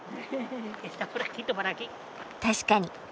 確かに。